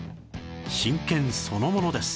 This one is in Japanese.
真剣そのものです